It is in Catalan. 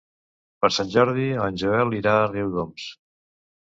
Per Sant Jordi en Joel irà a Riudoms.